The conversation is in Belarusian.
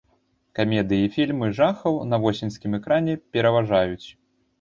Камедыі і фільмы жахаў на восеньскім экране пераважаюць.